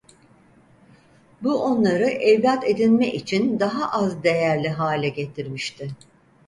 Bu onları evlat edinme için daha az değerli hale getirmişti.